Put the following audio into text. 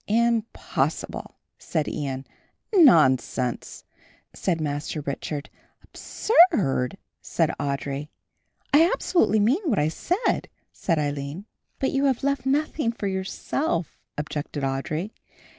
"Impossible," said Ian. "Nonsense," said Master Richard. "Absurd," said Audry. "I absolutely mean what I say," said Aline. "But you have left nothing for yourself," objected Audry.